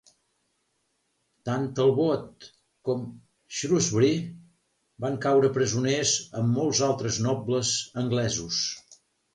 Tant Talbot com Shrewsbury van caure presoners amb molts altres nobles anglesos.